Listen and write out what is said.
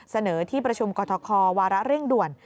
เสนอที่ประชุมกรทควาระเร่งด่วน